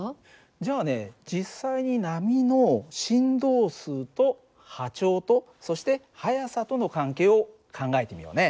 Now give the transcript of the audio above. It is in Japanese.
じゃあね実際に波の振動数と波長とそして速さとの関係を考えてみようね。